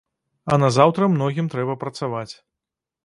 А назаўтра многім трэба працаваць.